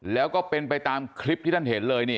แล้วก็เป็นไปตามคลิปที่ท่านเห็นเลยนี่